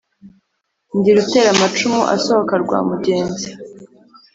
Ndi rutera amacumu asohoka rwa Mugenzi,